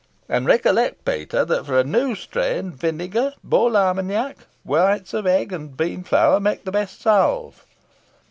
And recollect, Peter, that for a new strain, vinegar, bole armeniac, whites of eggs, and bean flour, make the best salve.